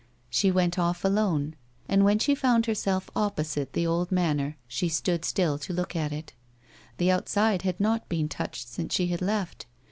She went off alone, and when she found herself opposite the old manor she stood still to look at it. The outside had not been touched since she had left.